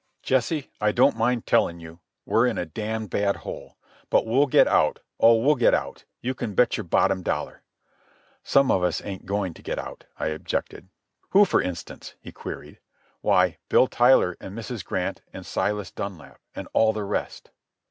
"Jesse, I don't mind tellin' you we're in a damned bad hole. But we'll get out, oh, we'll get out, you can bet your bottom dollar." "Some of us ain't going to get out," I objected. "Who, for instance?" he queried. "Why, Bill Tyler, and Mrs. Grant, and Silas Dunlap, and all the rest."